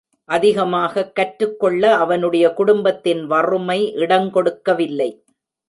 அதிகமாகக் கற்றுக்கொள்ள அவனுடைய குடும்பத்தின் வறுமை இடங்கொடுக்கவில்லை.